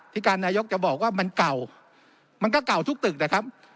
ที่การนายกจะบอกว่ามันเก่ามันก็เก่าทุกตึกนะครับ